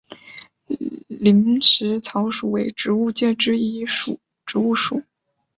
林石草属为植物界之一植物属。